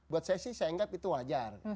buat saya sih saya anggap itu wajar